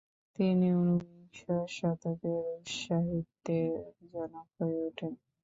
তিনি ঊনবিংশ শতকে রুশ সাহিত্যের জনক হয়ে ওঠেন।